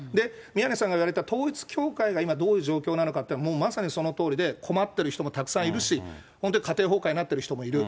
宮根さんが言われた、統一教会が今、どういう状況なのかっていうのはもうまさにそのとおりで、困っている人もたくさんいるし、それで家庭崩壊になっている人もいる。